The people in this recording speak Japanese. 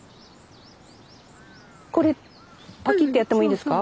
これパキッてやってもいいですか？